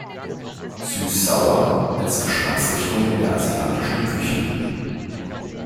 Süß-sauer als Geschmacksrichtung in der asiatischen Küche.